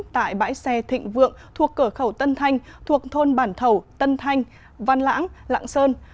tại bãi xe thịnh vượng thuộc cửa khẩu tân thanh thuộc thôn bản thầu tân thanh văn lãng lạng sơn